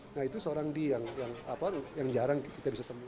nah itu seorang dewi yang jarang kita bisa temukan